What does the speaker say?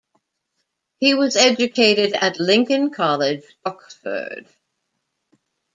He was educated at Lincoln College, Oxford.